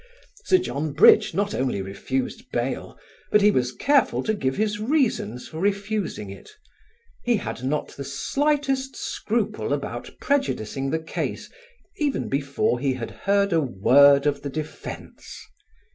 Sir John Bridge not only refused bail but he was careful to give his reasons for refusing it: he had not the slightest scruple about prejudicing the case even before he had heard a word of the defence.